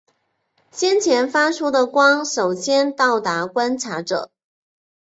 先前发出的光首先到达观察者。